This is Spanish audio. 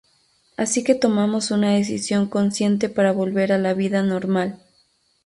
Así que tomamos una decisión consciente para volver a la vida normal".